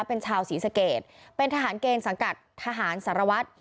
เป็นชาวศรีสเกตเป็นทหารเกณฑ์สังกัดทหารสารวัตร